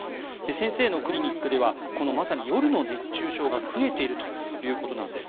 先生のクリニックではまさに夜の熱中症が増えているということなんです。